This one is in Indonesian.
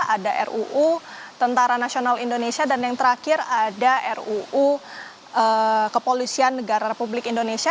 ada ruu tentara nasional indonesia dan yang terakhir ada ruu kepolisian negara republik indonesia